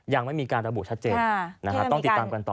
ยังไม่มีการระบุชัดเจนต้องติดตามกันต่อ